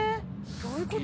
・どういうこと？